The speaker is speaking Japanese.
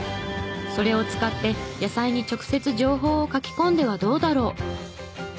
それを使って野菜に直接情報を書き込んではどうだろう。